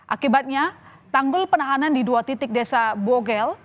akibatnya tanggul penahanan di dua titik desa bogel